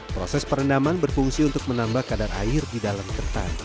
proses perendaman berfungsi untuk menambah kadar air di dalam ketan